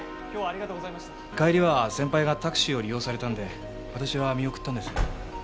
帰りは先輩がタクシーを利用されたので私は見送ったんです。